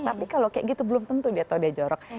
tapi kalau kayak gitu belum tentu dia tahu dia jorok